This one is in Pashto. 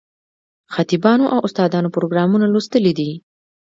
خطیبانو او استادانو پروګرامونه لوستلي دي.